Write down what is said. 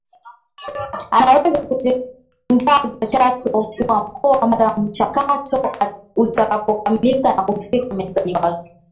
anaweza kutangaza Chato kuwa mkoa mara mchakato utakapokamilika na kufika mezani kwake